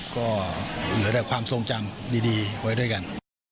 ก็เหลือแต่ความทรงจำดีไว้ด้วยกัน